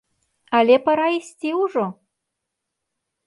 Але пара ісці ўжо!